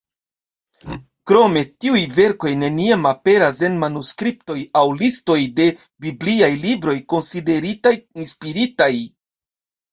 Krome tiuj verkoj neniam aperas en manuskriptoj aŭ listoj de bibliaj libroj konsideritaj inspiritaj.